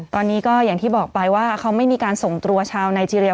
ตอนนี้ก็อย่างที่บอกไปว่าเขาไม่มีการส่งตัวชาวไนเจรีย